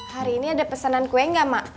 hari ini ada pesanan kue gak mak